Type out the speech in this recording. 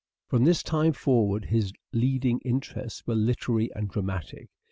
From this time forward his leading interests were literary and dramatic.